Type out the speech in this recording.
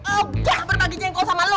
oh jah berbagi jengkol sama lu